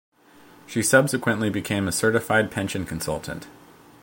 She subsequently became a certified pension consultant.